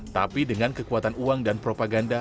tapi dengan kekuatan uang dan propaganda